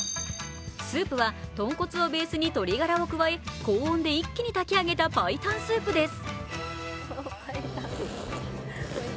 スープは豚骨をベースに鶏ガラを加え、高温で一気に炊き上げたパイタンスープです。